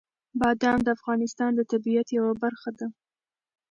بادام د افغانستان د طبیعت یوه برخه ده.